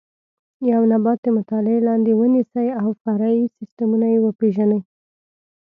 یو نبات د مطالعې لاندې ونیسئ او فرعي سیسټمونه یې وپېژنئ.